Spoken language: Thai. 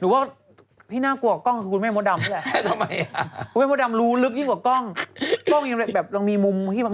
เพราะว่าที่น่ากลัวกล้องคือคุณแม่โมดำใช่ไหม